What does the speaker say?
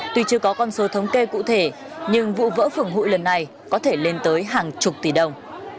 tuy chưa có con số thống kê cụ thể nhưng vụ vỡ phường hụi lần này có thể lên tới hàng chục tỷ đồng